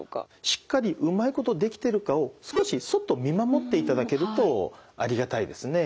しっかりうまいことできてるかを少しそっと見守っていただけるとありがたいですね。